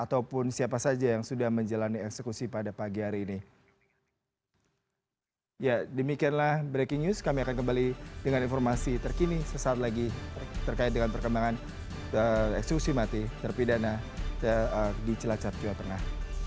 terpidana di celacap jawa tengah